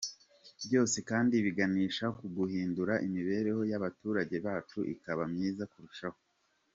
Byose kandi biganisha ku guhindura imibereho y’abaturage bacu ikaba myiza kurushaho.